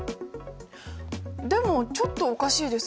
でもちょっとおかしいです。